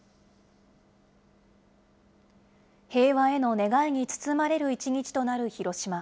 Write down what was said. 平和への願いに包まれる一日となる広島。